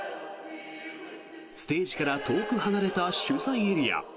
ステージから遠く離れた取材エリア。